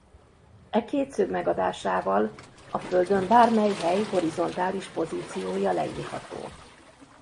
E két szög megadásával a Földön bármely hely horizontális pozíciója leírható.